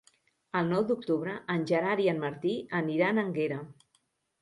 El nou d'octubre en Gerard i en Martí aniran a Énguera.